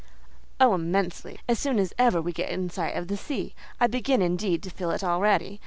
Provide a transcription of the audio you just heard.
"Oh, immensely! as soon as ever we get in sight of the sea: I begin, indeed, to feel it already.